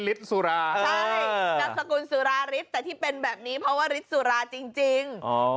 สุราใช่นามสกุลสุราฤทธิ์แต่ที่เป็นแบบนี้เพราะว่าฤทธิสุราจริง